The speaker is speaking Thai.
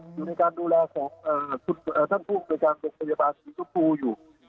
อยู่ในการดูแลของท่านฝูกโดยการบริษัทธิพุธภูมิอยู่